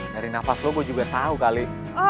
dari nafas lo gue juga tahu kali